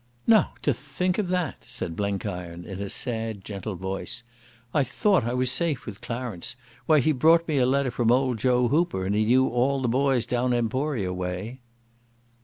"Now to think of that!" said Blenkiron in a sad, gentle voice. "I thought I was safe with Clarence. Why, he brought me a letter from old Joe Hooper and he knew all the boys down Emporia way."